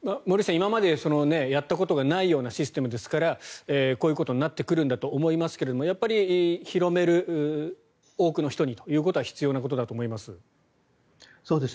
今までやったことがないようなシステムですからこういうことになってくるんだと思いますが広める、多くの人にということは必要なことだと思います。